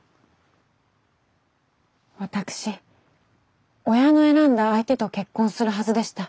私親の選んだ相手と結婚するはずでした。